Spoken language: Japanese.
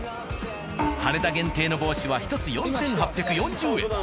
羽田限定の帽子は１つ４、８４０円。